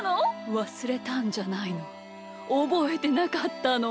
わすれたんじゃないのおぼえてなかったの！